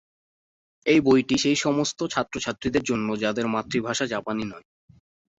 এই বইটি সেই সমস্ত ছাত্রছাত্রীদের জন্য যাদের মাতৃভাষা জাপানী নয়।